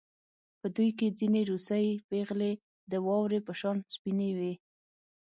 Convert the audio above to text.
په دوی کې ځینې روسۍ پېغلې د واورې په شان سپینې وې